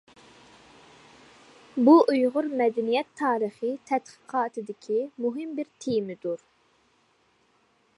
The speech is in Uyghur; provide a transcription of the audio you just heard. بۇ ئۇيغۇر مەدەنىيەت تارىخى تەتقىقاتىدىكى مۇھىم بىر تېمىدۇر.